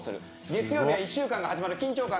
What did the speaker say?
月曜日は１週間が始まる緊張感がある。